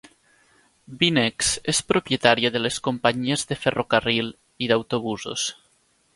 BeNex és propietària de les companyies de ferrocarril i d'autobusos.